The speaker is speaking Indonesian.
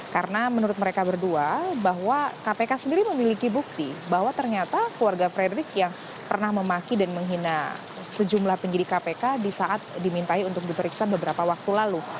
karena menurut mereka berdua bahwa kpk sendiri memiliki bukti bahwa ternyata keluarga fredy yang pernah memaki dan menghina sejumlah penjiri kpk di saat dimintai untuk diperiksa beberapa waktu lalu